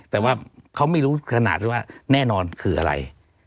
แต่ว่าเขาไม่รู้ขนาดที่ว่าแน่นอนคืออะไร